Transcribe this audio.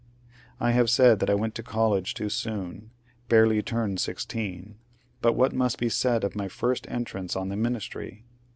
I have said that I went to college too soon — barely turned sixteen, — but what must be said of my first entrance on the ministry